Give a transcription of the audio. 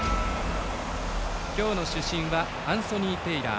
今日の主審はアンソニー・テイラー。